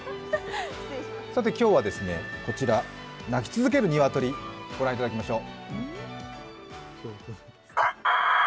今日はこちら、鳴き続ける鶏、御覧いただきましょう。